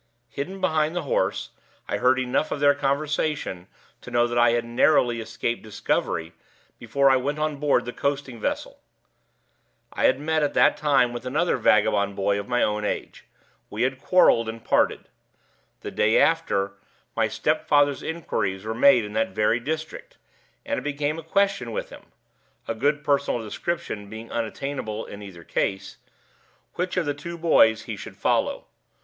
Hidden behind the horse, I heard enough of their conversation to know that I had narrowly escaped discovery before I went on board the coasting vessel. I had met at that time with another vagabond boy of my own age; we had quarreled and parted. The day after, my stepfather's inquiries were made in that very district, and it became a question with him (a good personal description being unattainable in either case) which of the two boys he should follow.